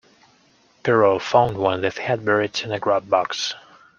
Perrault found one with head buried in the grub box.